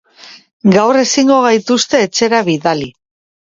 Gaur ezingo gaituzte etxera bidali.